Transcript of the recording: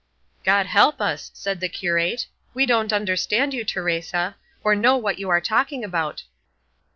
"God help us," said the curate, "we don't understand you, Teresa, or know what you are talking about."